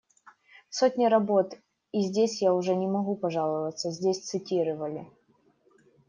Сотни работ, и здесь я уже не могу пожаловаться, здесь цитировали.